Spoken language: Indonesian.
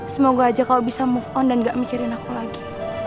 semoga aja kalau bisa move on dan gak mikirin aku lagi